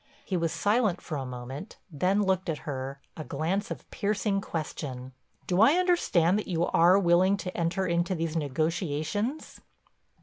He was silent for a moment, then looked at her, a glance of piercing question. "Do I understand that you are willing to enter into these negotiations?"